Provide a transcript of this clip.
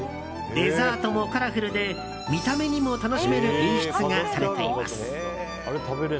デザートもカラフルで見た目にも楽しめる演出がされています。